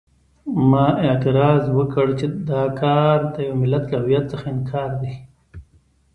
ما اعتراض وکړ چې دا کار د یوه ملت له هویت څخه انکار دی.